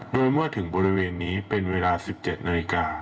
โดยเมื่อถึงบริเวณนี้เป็นเวลา๑๗นาฬิกา